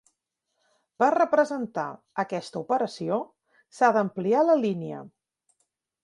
Per representar aquesta operació, s'ha d'ampliar la línia.